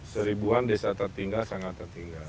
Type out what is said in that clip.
seribuan desa tertinggal sangat tertinggal